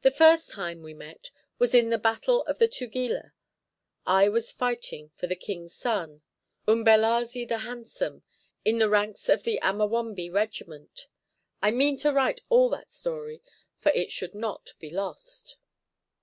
The first time we met was in the battle of the Tugela. I was fighting for the king's son, Umbelazi the Handsome, in the ranks of the Amawombe regiment I mean to write all that story, for it should not be lost.